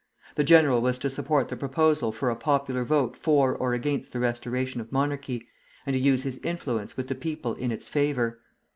The general was to support the proposal for a popular vote for or against the restoration of monarchy, and to use his influence with the people in its favor.